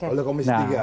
oleh komisi tiga